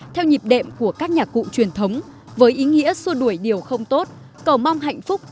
theo nhịp đệm của các nhạc cụ truyền thống với ý nghĩa xua đuổi điều không tốt cầu mong hạnh phúc